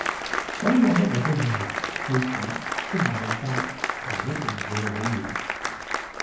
所以我一路都認為，去死，即系去街，同埋一定唔會去好遠